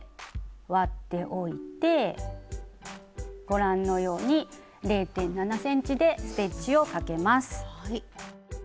ご覧のように０．７ｃｍでステッチをかけます。